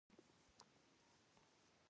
او نه هم د فعال اوسېدو چلند دی.